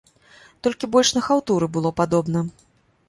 Толькі больш на хаўтуры было падобна.